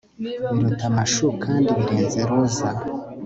Biruta amashu kandi birenze roza